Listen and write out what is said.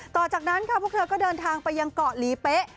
ต่อจากนั้นค่ะพวกเธอก็เดินทางไปยังเกาะหลีเป๊ะ